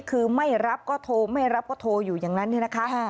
คือไม่รับก็โทรไม่รับก็โทรอยู่อย่างนั้นเนี่ยนะคะ